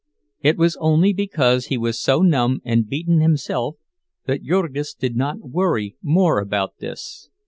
It was only because he was so numb and beaten himself that Jurgis did not worry more about this.